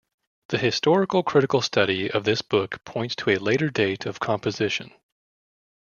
The historical critical study of this book points to a later date of composition.